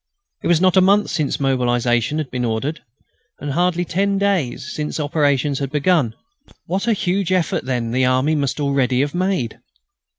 It was not a month since mobilisation had been ordered, and hardly ten days since operations had begun. What a huge effort then the army must already have made!